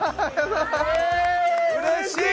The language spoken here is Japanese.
うれしい！